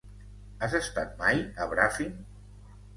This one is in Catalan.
Has estat mai a Bràfim?